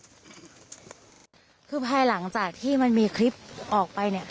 คือภายหลังจากที่มันมีคลิปออกไปเนี่ย